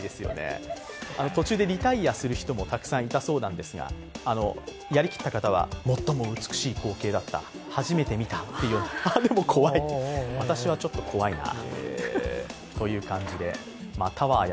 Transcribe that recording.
途中でリタイヤする人もたくさんいたそうですがやりきった方は、最も美しい光景だった、初めて見た、でも怖い私はちょっと怖いな。